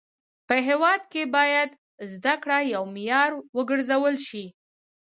په هيواد کي باید زده کړه يو معيار و ګرځول سي.